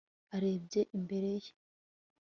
arebye imbere ye